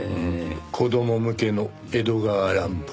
子供向けの江戸川乱歩。